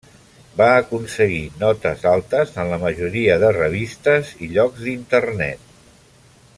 Va aconseguir notes altes en la majoria de revistes i llocs d'internet.